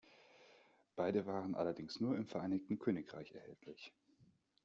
Beide waren allerdings nur im Vereinigten Königreich erhältlich.